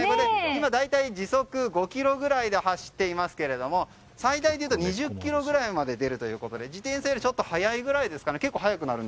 今、大体時速５キロぐらいで走っていますけれども最大で２０キロくらいまで出るということで自転車よりちょっと速いぐらいですかね。